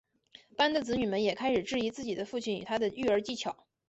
班的子女们也开始质疑自己的父亲与他的育儿技巧。